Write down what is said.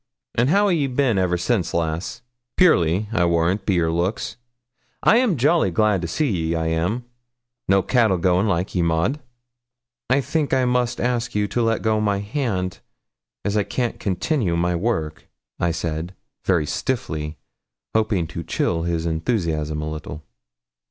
And how a' ye bin ever since, lass? Purely, I warrant, be your looks. I'm jolly glad to see ye, I am; no cattle going like ye, Maud.' 'I think I must ask you to let go my hand, as I can't continue my work,' I said, very stiffly, hoping to chill his enthusiasm a little.